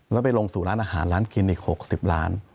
แล้วไปลงสู่ร้านอาหารร้านกินอีก๖๐ล้าน